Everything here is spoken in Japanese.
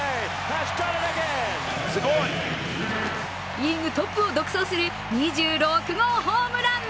リーグトップを独走する２６号ホームラン。